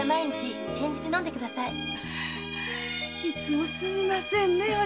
いつもすみませんね